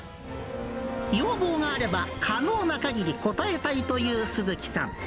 要望があれば、可能なかぎり応えたいという鈴木さん。